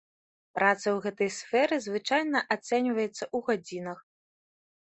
Праца ў гэтай сферы звычайна ацэньваецца ў гадзінах.